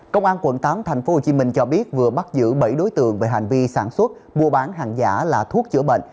công an quận tám tp hcm cho biết vừa bắt giữ bảy đối tượng về hành vi sản xuất mua bán hàng giả là thuốc chữa bệnh